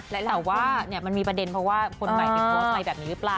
แต่ว่ามันมีประเด็นเพราะว่าคนใหม่ไปโพสต์อะไรแบบนี้หรือเปล่า